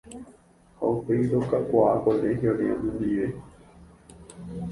ha upéi rokakuaa colegio-re oñondive.